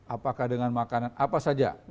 apakah dengan makanan apa saja